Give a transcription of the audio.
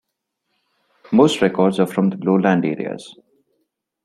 Most records are from lowland areas.